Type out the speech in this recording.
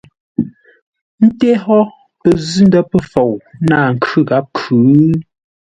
Ńté hó pəzʉ́-ndə̂ pəfou náa khʉ gháp khʉ̌?